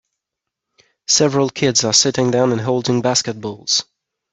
Several kids are sitting down and holding basketballs